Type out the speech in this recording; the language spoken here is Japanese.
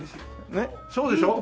ねっそうでしょ？